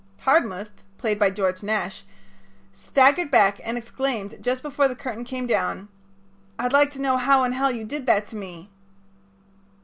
Hardmuth, played by George Nash, staggered back and exclaimed, just before the curtain came down: "I'd like to know how in Hell you did that to me."